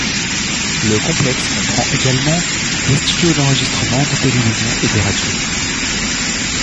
Le complexe comprend également des studios d'enregistrement de télévision et de radio.